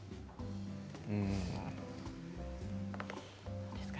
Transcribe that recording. どうですか？